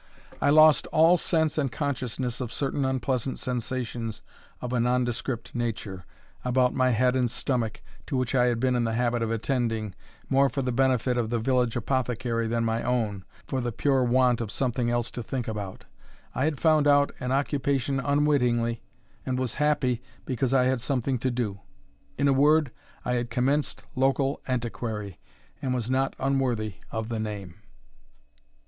I lost all sense and consciousness of certain unpleasant sensations of a nondescript nature, about my head and stomach, to which I had been in the habit of attending, more for the benefit of the village apothecary than my own, for the pure want of something else to think about. I had found out an occupation unwittingly, and was happy because I had something to do. In a word, I had commenced local antiquary, and was not unworthy of the name.